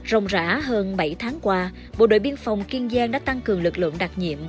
rồng rã hơn bảy tháng qua bộ đội biên phòng kiên giang đã tăng cường lực lượng đặc nhiệm